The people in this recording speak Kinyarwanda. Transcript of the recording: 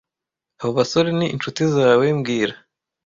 Abo basore ni inshuti zawe mbwira